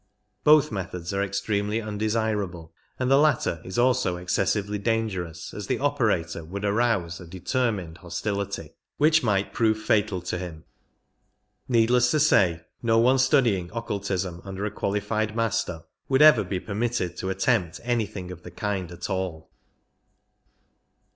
Both methods are extremely undesirable, and the latter is also excessively dangerous, as the operator would arouse a determined hojj 62 tility which might prove fatal to him. Needless to say, no one studying occultism under a qualified Master would ever be permitted to attempt anything of the kind at all.